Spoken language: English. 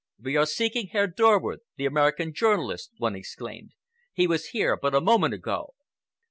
"We are seeking Herr Dorward, the American journalist!" one exclaimed. "He was here but a moment ago."